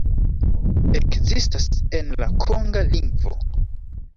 Ekzistas en la konga lingvo.